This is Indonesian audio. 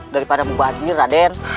daripada menguat dir raden